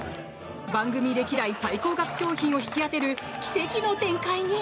番組歴代最高額商品を引き当てる奇跡の展開に。